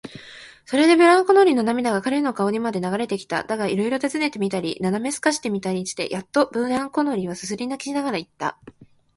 それでブランコ乗りの涙が彼の顔にまで流れてきた。だが、いろいろたずねてみたり、なだめすかしてみたりしてやっと、ブランコ乗りはすすり泣きしながらいった。